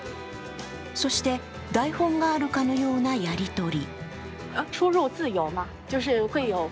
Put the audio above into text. そして台本があるかのようなやり取り。